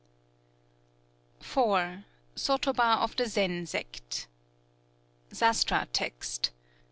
_ IV. SOTOBA OF THE ZEN SECT. (Sastra text.)